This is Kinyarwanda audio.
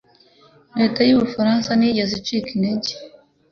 leta y u bufaransa ntiyigeze icika intege